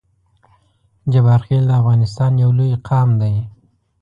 جبارخیل د افغانستان یو لوی قام دی